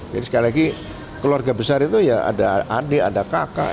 jadi sekali lagi keluarga besar itu ya ada adik ada kakak